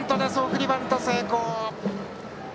送りバント成功。